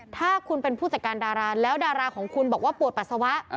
ถ้าคุณเป็นผู้จัดการดาราแล้วดาราของคุณบอกว่าปวดปัสสาวะ